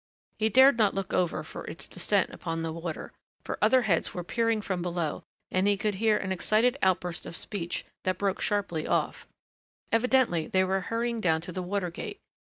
He dared not look over for its descent upon the water, for other heads were peering from below and he could hear an excited outburst of speech, that broke sharply off. Evidently they were hurrying down to the water gate.